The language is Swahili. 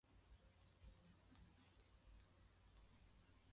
Virusi vilienea hadi nchi nyingine kwa njia ya abiria wa ndege za kimataifa